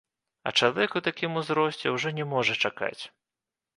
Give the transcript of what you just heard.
А чалавек у такім узросце ўжо не можа чакаць.